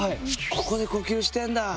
ここで呼吸してんだ。